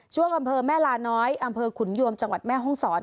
อำเภอแม่ลาน้อยอำเภอขุนยวมจังหวัดแม่ห้องศร